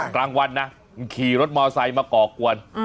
กลางวันนะขี่รถมอเตอร์ไซค์มากอกกวน